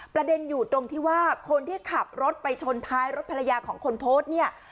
ประเด็นอยู่ตรงที่ว่าคนที่ขับรถไปชนท้ายรถภรรยาของคนโพสต์เนี่ย